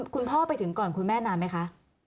คุณพ่อไปถึงก่อนคุณแม่นานไหมคะ